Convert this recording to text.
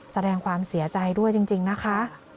แสดงความเสียใจด้วยจริงนะคะ